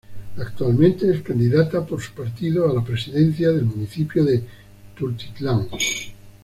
Actualmente es Candidata por su partido a la Presidencia del Municipio de Tultitlán.